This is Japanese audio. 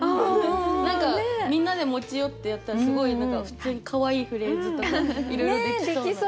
何かみんなで持ち寄ってやったらすごい普通にかわいいフレーズとかいろいろできそうな。